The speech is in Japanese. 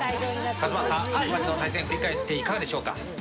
勝俣さん、今までの試合振り返っていかがでしょうか。